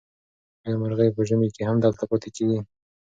آیا مرغۍ په ژمي کې هم دلته پاتې کېږي؟